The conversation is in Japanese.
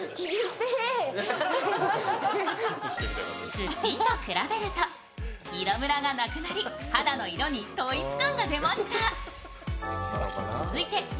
すっぴんと比べると、色むらがなくなり、肌の色に統一感が出ました。